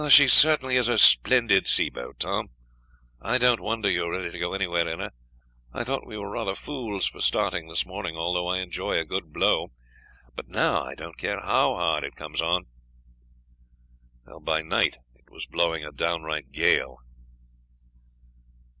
"She certainly is a splendid seaboat, Tom; I don't wonder you are ready to go anywhere in her. I thought we were rather fools for starting this morning, although I enjoy a good blow; but now I don't care how hard it comes on." By night it was blowing a downright gale.